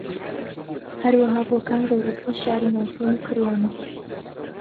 ھەروەھا بۆکان گەورەترین شاری ناوچەی موکریانە